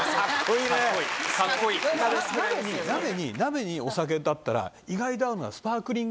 鍋にお酒だったら意外と合うのが。